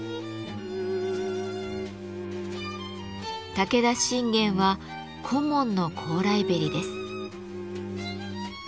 武田信玄は小紋の高麗縁です。